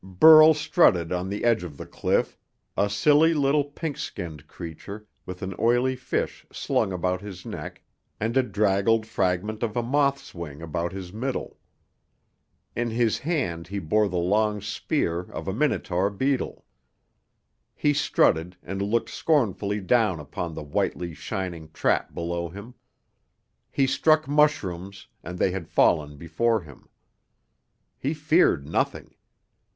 Burl strutted on the edge of the cliff, a silly little pink skinned creature with an oily fish slung about his neck and a draggled fragment of a moth's wing about his middle. In his hand he bore the long spear of a minotaur beetle. He strutted, and looked scornfully down upon the whitely shining trap below him. He struck mushrooms, and they had fallen before him. He feared nothing.